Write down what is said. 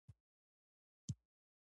د اصولي صیب پلار وويل موږ يې پتيره بولو.